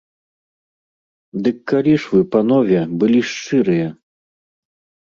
Дык калі ж вы, панове, былі шчырыя?